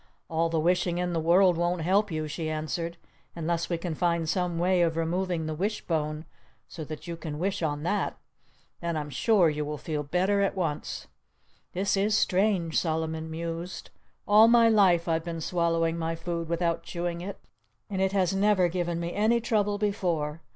"All the wishing in the world won't help you," she answered, "unless we can find some way of removing the wishbone so you can wish on that. Then I'm sure you would feel better at once." "This is strange," Solomon mused. "All my life I've been swallowing my food without chewing it. And it has never given me any trouble before....